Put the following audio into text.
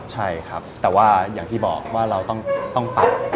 ใช่ครับแต่ว่าอย่างที่บอกว่าเราต้องปรับ